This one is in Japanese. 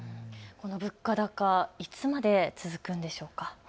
物価高、いつまで続くんでしょうか。